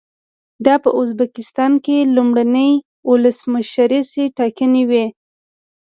دا په ازبکستان کې لومړنۍ ولسمشریزې ټاکنې وې.